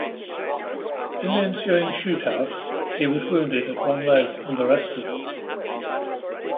In the ensuing shootout, he was wounded at one leg and arrested.